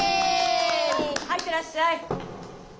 さあ入ってらっしゃい！